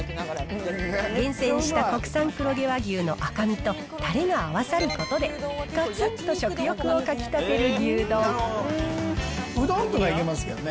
厳選した国産黒毛和牛の赤身とたれが合わさることで、うどんとかいけますよね。